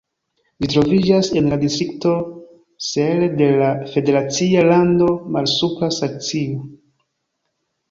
Ĝi troviĝas en la distrikto Celle de la federacia lando Malsupra Saksio.